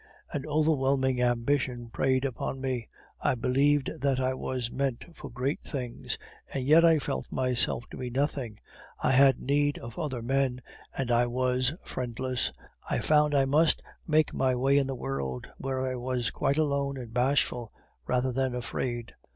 "An overweening ambition preyed upon me; I believed that I was meant for great things, and yet I felt myself to be nothing. I had need of other men, and I was friendless. I found I must make my way in the world, where I was quite alone, and bashful, rather than afraid.